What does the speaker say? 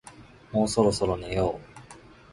もうそろそろ寝よう